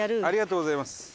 ありがとうございます。